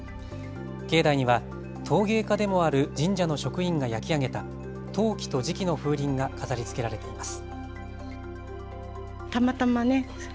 境内には陶芸家でもある神社の職員が焼き上げた陶器と磁器の風鈴が飾りつけられています。